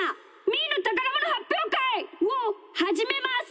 「みーのたからものはっぴょうかい」をはじめます。